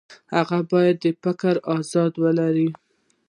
هغه باید د فکر ازادي ولري.